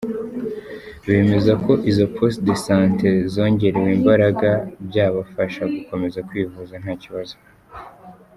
Bemeza ko izo Poste de Sante zongerewe imbaraga byabafasha gukomeza kwivuza nta kibazo.